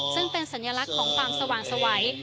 ซึ่งเป็นสัญลักษณ์ของความสว่างสวัย